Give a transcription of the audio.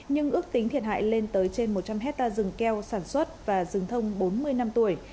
nhưng ước tính thiệt hại lên tới trên một trăm linh hectare rừng keo sản xuất và rừng thông bốn mươi năm tuổi